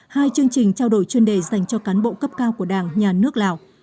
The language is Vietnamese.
hai chương trình trao đổi chuyên đề dành cho cán bộ cấp cao của đảng nhà nước lào